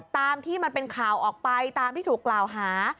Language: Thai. ตามที่มันเป็นข่าวออกไปตามที่ถูกกล่าวหา